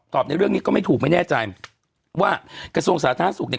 ในเรื่องนี้ก็ไม่ถูกไม่แน่ใจว่ากระทรวงสาธารณสุขเนี่ย